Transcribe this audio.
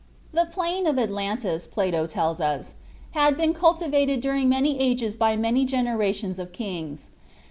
The plain of Atlantis, Plato tells us, "had been cultivated during many ages by many generations of kings."